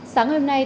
sáng hôm nay